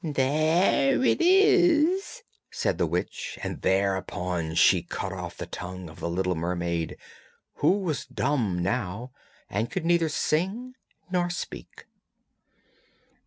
'There it is,' said the witch, and thereupon she cut off the tongue of the little mermaid, who was dumb now and could neither sing nor speak.